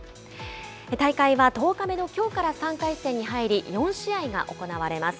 大会は１０日目のきょうから３回戦に入り、４試合が行われます。